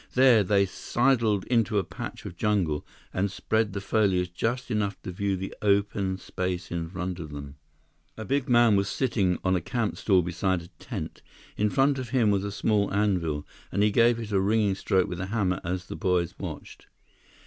There, they sidled into a patch of jungle and spread the foliage just enough to view the open space in front of them. A big man was sitting on a camp stool beside a tent. In front of him was a small anvil, and he gave it a ringing stroke with a hammer as the boys watched.